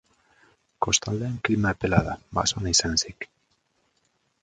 Kostaldean klima epela da, basoan izan ezik.